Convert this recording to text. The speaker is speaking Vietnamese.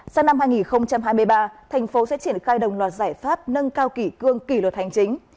sang năm hai nghìn hai mươi ba thành phố sẽ triển khai đồng loạt giải pháp nâng cao kỷ cương kỷ luật hành chính